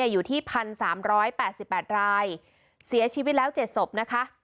อยู่ที่๑๓๘๘รายเสียชีวิตแล้ว๗ศพนะคะ